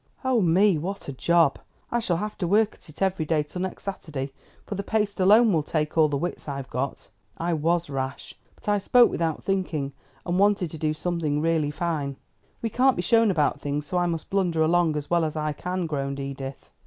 "Oh me, what a job! I shall have to work at it every day till next Saturday, for the paste alone will take all the wits I've got. I was rash, but I spoke without thinking, and wanted to do something really fine. We can't be shown about things, so I must blunder along as well as I can," groaned Edith.